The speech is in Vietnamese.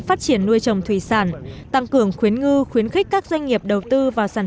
phát triển nuôi trồng thủy sản tăng cường khuyến ngư khuyến khích các doanh nghiệp đầu tư vào sản